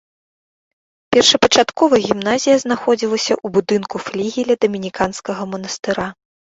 Першапачаткова гімназія знаходзілася ў будынку флігеля дамініканскага манастыра.